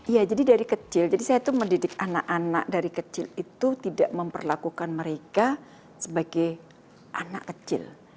ya jadi dari kecil jadi saya itu mendidik anak anak dari kecil itu tidak memperlakukan mereka sebagai anak kecil